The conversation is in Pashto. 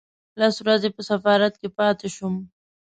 لس ورځې په سفارت کې پاتې شوم.